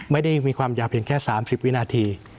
ไม่ได้มีความยาวเพียงแค่๓๐วินาที